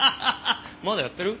まだやってる？